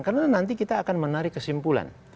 karena nanti kita akan menarik kesimpulan